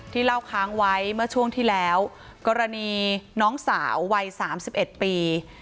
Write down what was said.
เล่าค้างไว้เมื่อช่วงที่แล้วกรณีน้องสาววัย๓๑ปี